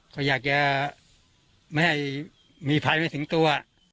เขาอยากจะไม่ให้มีภัยไม่ถึงตัว